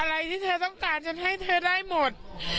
อะไรที่เธอต้องการฉันให้เธอได้หมด